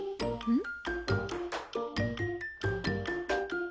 うん？